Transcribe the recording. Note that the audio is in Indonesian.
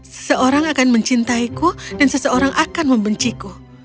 seseorang akan mencintaiku dan seseorang akan membenciku